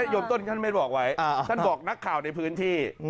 ยมต้นท่านไม่บอกไว้ท่านบอกนักข่าวในพื้นที่